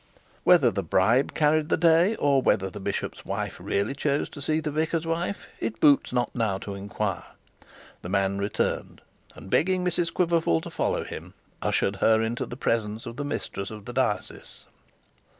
Whether the bribe carried the day, or whether the bishop's wife really chose to see the vicar's wife, it boots not now to inquire. The man returned, and begging Mrs Quiverful to follow him, ushered her into the presence of the mistress of the diocese.